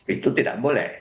itu tidak boleh